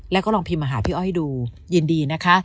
แล้วก็ลองพิมพ์มาหาพี่อ้อยดูยินดีนะคะ